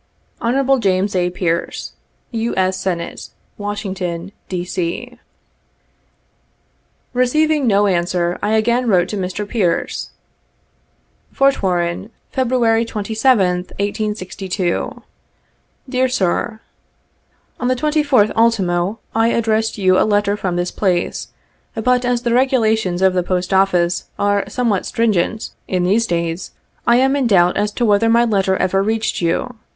"Hon. James A. Pearce, U. S. Senate, Washington, D. C." Keceiving no answer, I again wrote to Mr. Pearce: " Fort Warren, February 27th, 1862. "Dear Sir: —" On the 24th ult. I addressed you a letter from this place, but, as the regulations of the post office are somewhat stringent in 72 these days, I am in doubt as to whether my letter ever reached you.